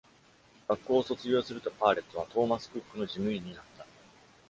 学校を卒業すると、パーレットはトーマス・クックの事務員になった。